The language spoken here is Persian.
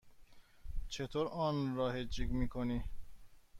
چطور آن را هجی می کنی؟